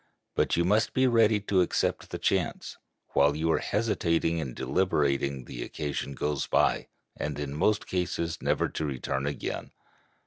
But you must be ready to accept the chance. While you are hesitating and deliberating the occasion goes by, in most cases never to return again.